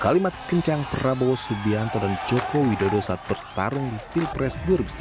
kalimat kencang prabowo subianto dan joko widodo saat bertarung di pilpres